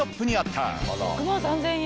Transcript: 「６万３０００円！」